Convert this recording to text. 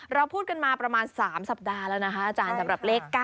เราพูดกันมาประมาณ๓สัปดาห์แล้วนะคะอาจารย์สำหรับเลข๙